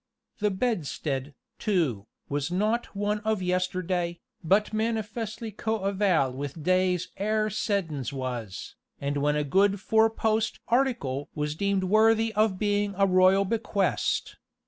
The bedstead, too, was not one of yesterday, but manifestly coeval with days ere Seddons was, and when a good four post "article" was deemed worthy of being a royal bequest.